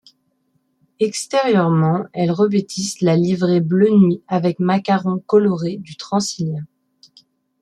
Extérieurement, elles revêtissent la livrée bleu nuit avec macarons colorés du Transilien.